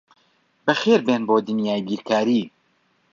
بەخێربێن بۆ دنیای بیرکاری.